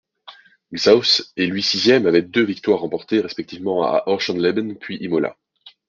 Xaus est lui sixième avec deux victoires remportées respectivement à Oschersleben puis Imola.